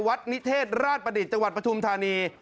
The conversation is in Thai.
นิเทศราชประดิษฐ์จังหวัดปฐุมธานี